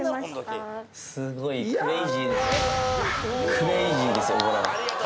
クレイジーですよこれは。